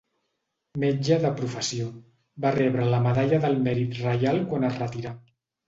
Metge de professió, va rebre la Medalla del Mèrit Reial quan es retirà.